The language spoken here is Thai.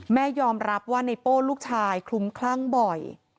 แม่ยอมรับว่าไนโปลูกชายคลุมคร่างบ่อย